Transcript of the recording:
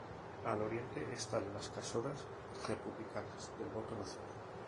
Al oriente están las casonas republicanas del Voto Nacional.